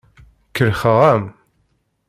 Kellxeɣ-am.